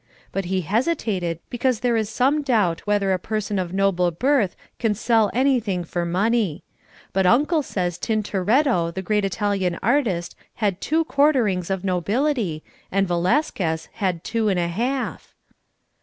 But he hesitated because there is some doubt whether a person of noble birth can sell anything for money. But Uncle says Tintoretto the great Italian artist had two quarterings of nobility, and Velasquez had two and a half.